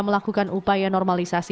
melakukan upaya normalisasi